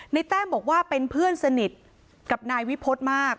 แต้มบอกว่าเป็นเพื่อนสนิทกับนายวิพฤษมาก